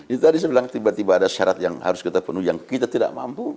itu tadi saya bilang tiba tiba ada syarat yang harus kita penuhi yang kita tidak mampu